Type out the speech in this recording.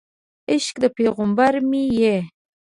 عشق د پیغمبر مې یې